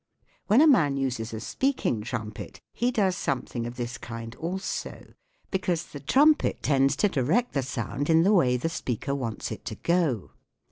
When a man uses a speaking trumpet he does something of this kind also, because the trumpet tends to direct the sound in the way the speaker wants it to go.